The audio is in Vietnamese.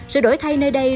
rồi đổi thay nơi đây